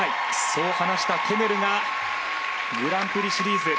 そう話したテネルがグランプリシリーズ